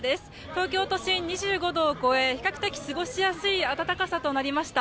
東京都心、２５度を超え比較的過ごしやすい暖かさとなりました。